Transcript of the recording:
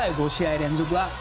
５試合連続は。